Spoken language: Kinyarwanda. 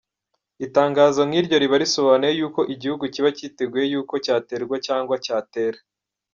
Itangazo nk’iryo riba risobanuye yuko igihugu kiba kiteguye yuko cyaterwa cyangwa cyatera.